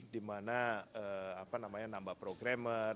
di mana nambah programmer